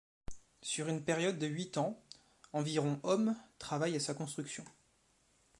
Sur une période de huit ans, environ hommes travaillent à sa construction.